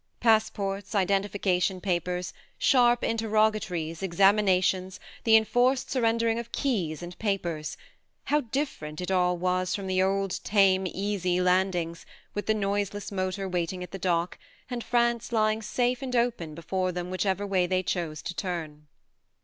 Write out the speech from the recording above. Passports, identification papers, sharp interrogatories, examinations, the enforced surrendering of keys and papers : how different it all was from the old tame easy landings, with the noiseless motor waiting at the dock, 62 THE MARNE 63 and France lying safe and open before them whichever way they chose to turn!